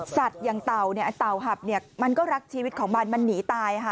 สัตว์อย่างเต่าเนี่ยเต่าหับเนี่ยมันก็รักชีวิตของมันมันหนีตายค่ะ